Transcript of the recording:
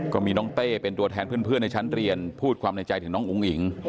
ก็มีน้องเต้เป็นตัวแทนเพื่อนในชั้นเรียนพูดความในใจถึงน้องอุ๋งอิ๋ง